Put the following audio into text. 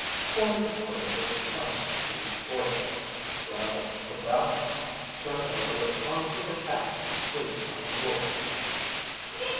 Part of the pudding was plastered to his forehead, while the balance turned over on to the cat sleeping on the floor.